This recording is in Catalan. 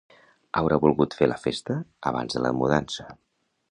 Haurà volgut fer la festa abans de la mudança.